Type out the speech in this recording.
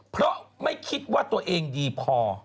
เพราะไม่คิดว่าตัวเองดีพอ